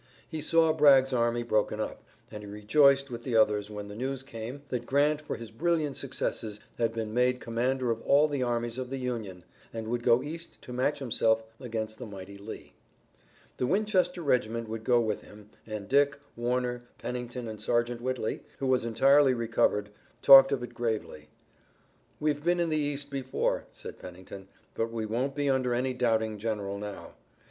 He saw Bragg's army broken up, and he rejoiced with the others when the news came that Grant for his brilliant successes had been made commander of all the armies of the Union, and would go east to match himself against the mighty Lee. The Winchester regiment would go with him and Dick, Warner, Pennington and Sergeant Whitley, who was entirely recovered, talked of it gravely: "We've been in the East before," said Pennington, "but we won't be under any doubting general now."